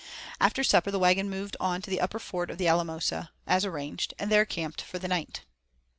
After supper the wagon moved on to the upper ford of the Alamosa, as arranged, and there camped for the night.